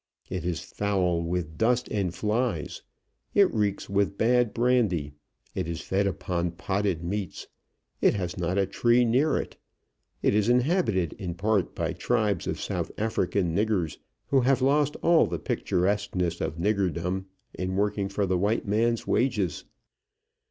It is foul with dust and flies; it reeks with bad brandy; it is fed upon potted meats; it has not a tree near it. It is inhabited in part by tribes of South African niggers, who have lost all the picturesqueness of niggerdom in working for the white man's wages.